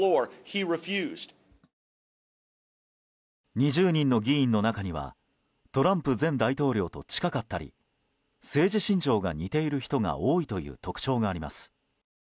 ２０人の議員の中にはトランプ前大統領と近かったり政治信条が似ている人が多いという特徴があります。